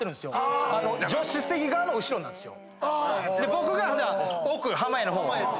僕が奥濱家の方。